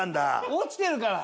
落ちてるから。